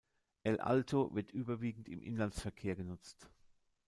El Alto wird überwiegend im Inlandsverkehr genutzt.